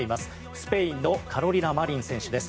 スペインのカロリナ・マリン選手です。